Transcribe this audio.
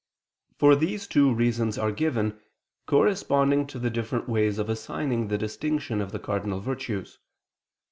For this two reasons are given, corresponding to the different ways of assigning the distinction of the cardinal virtues.